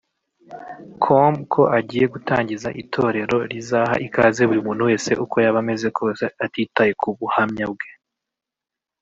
com ko agiye gutangiza itorero rizaha ikaze buri muntu wese uko yaba ameze kose atitaye ku buhamya bwe